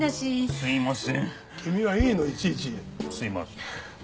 すいません。